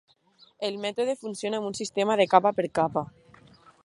El mètode funciona amb un sistema de capa per capa.